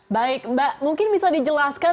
baik mbak mungkin bisa dijelaskan